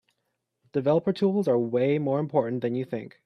Developer Tools are way more important than you think.